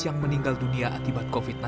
yang meninggal dunia